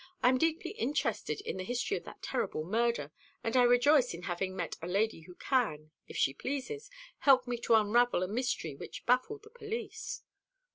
"I am deeply interested in the history of that terrible murder, and I rejoice in having met a lady who can, if she pleases, help me to unravel a mystery which baffled the police."